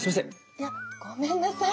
いやごめんなさい。